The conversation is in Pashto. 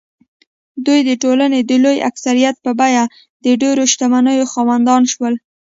دوی د ټولنې د لوی اکثریت په بیه د ډېرو شتمنیو خاوندان شول.